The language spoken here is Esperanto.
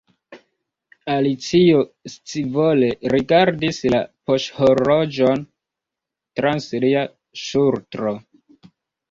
Alicio scivole rigardis la poŝhorloĝon trans lia ŝultro.